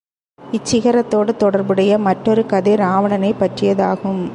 இச் சிகரத்தோடு தொடர்புடைய மற்றொரு கதை இராவணனைப் பற்றியதாகும்.